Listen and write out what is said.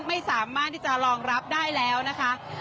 ไม่สามารถที่จะรองรับได้แล้วนะคะ